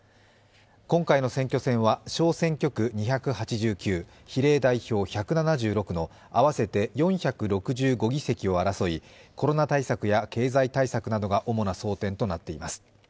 今回の選挙戦は小選挙区２８９、比例代表１７６の合わせて４６５議席を争い、コロナ対策や経済対策などが主な争点となっています。